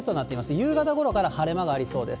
夕方ごろから晴れ間がありそうです。